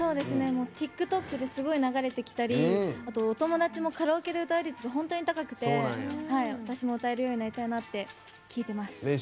ＴｉｋＴｏｋですごい流れてきたりお友達もカラオケで歌う率が本当に高くて私も歌えるようになりたいなって聴いてます。